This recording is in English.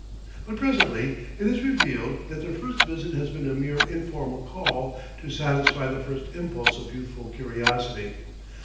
But presently it is revealed that their first visit has been a mere informal call to satisfy the first impulse of youthful curiosity.